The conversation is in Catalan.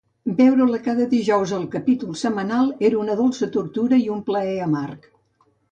Veure-la cada dijous al capítol setmanal era una dolça tortura i un plaer amarg.